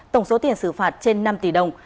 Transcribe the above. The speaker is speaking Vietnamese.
tổng số tiền xử phạt trên năm tỷ đồng